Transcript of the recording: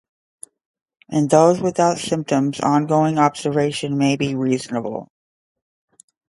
In those without symptoms ongoing observation may be reasonable.